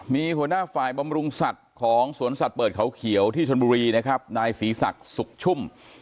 มีหัวหน้าฝ่ายบำรุงสัตว์ของสวนสัตว์เปิดเขาเขียวที่ชนบุรีนะครับนายศรีศักดิ์สุขชุ่ม